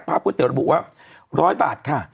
พร้อมคูเตี๋ยวระบุว่า๑๐๐บาทค่ะ